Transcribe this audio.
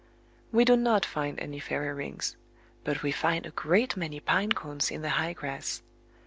We do not find any fairy rings; but we find a great many pine cones in the high grass...